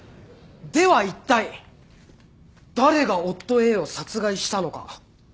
ではいったい誰が夫Ａを殺害したのか？